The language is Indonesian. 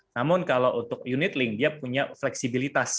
namun kalau untuk unitlink dia punya fleksibilitas